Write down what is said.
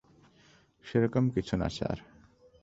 সেরকম কিছু না, স্যার।